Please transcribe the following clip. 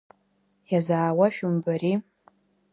Иазаауа шәымбари…